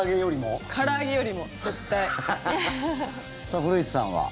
さあ、古市さんは。